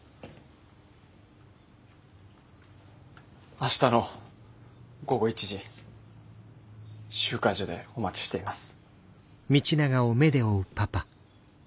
明日の午後１時集会所でお待ちしています。